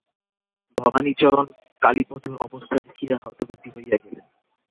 ভবানীচরণ কালীপদর অবস্থা দেখিয়া হতবুদ্ধি হইয়া গেলেন।